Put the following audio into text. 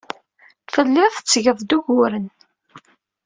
Telliḍ tettgeḍ-d uguren.